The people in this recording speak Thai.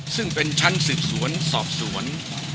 ซึ่งเป็นชั้นสืบสวนสอบสวน